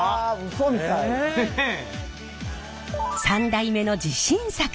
３代目の自信作！